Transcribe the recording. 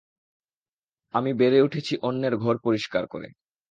আমি বেড়ে উঠেছি অন্যের ঘর পরিষ্কার করে।